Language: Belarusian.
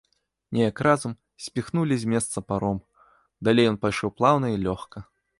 Неяк разам спіхнулі з месца паром, далей ён пайшоў плаўна і лёгка.